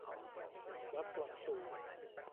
วัดส่วนสูง